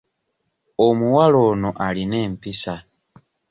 Omuwala ono alina empisa.